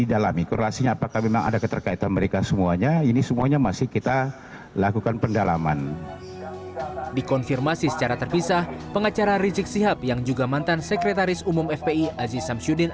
dikonfirmasi secara terpisah pengacara rizik sihab yang juga mantan sekretaris umum fpi aziz samsudin